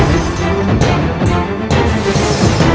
dan juga wakil bagimu